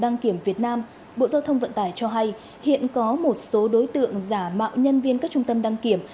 đăng kiểm việt nam bộ giao thông vận tải cho hay hiện có một số đối tượng giả mạo nhân viên các trung tâm đăng kiểm